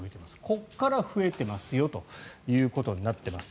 ここから増えてますよということになってます。